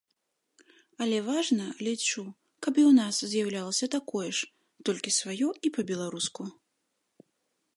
Але важна, лічу, каб і ў нас з'яўлялася такое ж толькі сваё і па-беларуску.